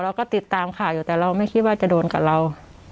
เราก็ติดตามข่าวอยู่แต่เราไม่คิดว่าจะโดนกับเรา